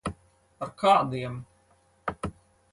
Ar kādiem?